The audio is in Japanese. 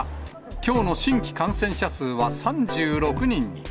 きょうの新規感染者数は３６人に。